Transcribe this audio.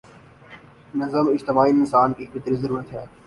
نظم اجتماعی انسان کی فطری ضرورت ہے۔